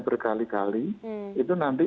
berkali kali itu nanti